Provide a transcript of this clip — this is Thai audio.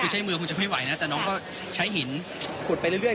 ใช้มือคุณจะไม่ไหวนะแต่น้องก็ใช้หินขุดไปเรื่อย